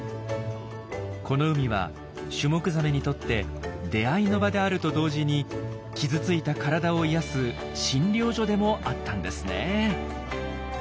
この海はシュモクザメにとって出会いの場であると同時に傷ついた体を癒やす診療所でもあったんですね。